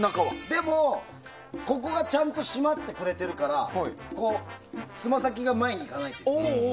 でも、ここがちゃんと締まってくれてるからつま先が前に行かないというか。